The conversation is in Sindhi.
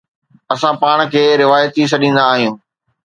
اسان پاڻ کي روايتي سڏيندا آهيون.